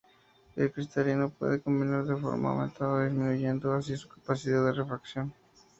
El cristalino puede cambiar de forma, aumentando o disminuyendo así su capacidad de refracción.